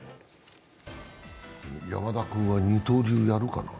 山田君は二刀流やるかな。